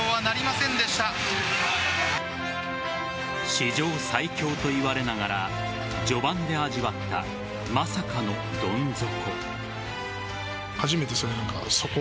史上最強といわれながら序盤で味わったまさかのどん底。